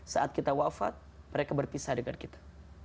saat kita wafat mereka berpisah dengan kita